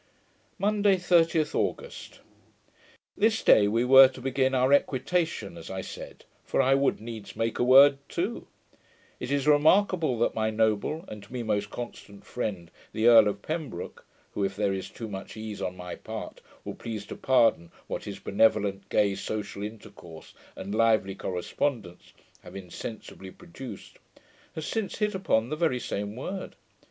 Monday, 30th August This day we were to begin our EQUITATION, as I said; for I would needs make a word too. It is remarkable, that my noble, and to me most constant friend, the Earl of Pembroke (who, if there is too much ease on my part, will please to pardon what his benevolent, gay, social intercourse, and lively correspondence, have insensibly produced) has since hit upon the very same word.